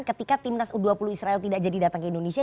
ketika timnas u dua puluh israel tidak jadi datang ke indonesia